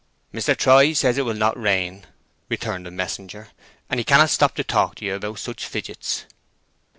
"Mr. Troy says it will not rain," returned the messenger, "and he cannot stop to talk to you about such fidgets."